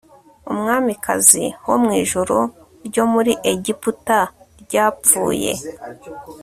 umwamikazi wo mw'ijoro ryo muri egiputa ryapfuye